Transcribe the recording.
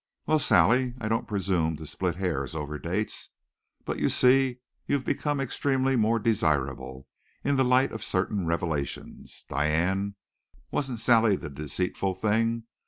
"Well, Sally, I don't presume to split hairs over dates. But, you see, you've become extremely more desirable in the light of certain revelations. Diane, wasn't Sally the deceitful thing?